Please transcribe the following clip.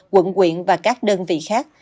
quận quyện và các đơn vị khác